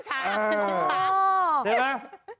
อ๋อใช่ไหม